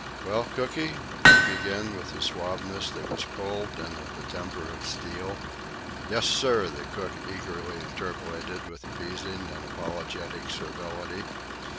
"Well, Cooky?" he began, with a suaveness that was cold and of the temper of steel. "Yes, sir," the cook eagerly interpolated, with appeasing and apologetic servility.